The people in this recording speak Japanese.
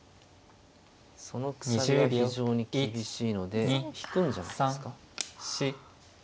そのくさびが非常に厳しいので引くんじゃないですか？